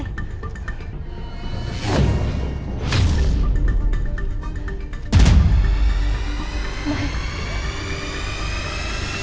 ไม่